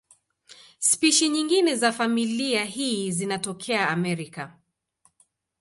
Spishi nyingine za familia hii zinatokea Amerika.